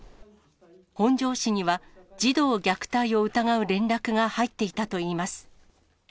本庄市には、児童虐待を疑う連絡が入っていたといいます。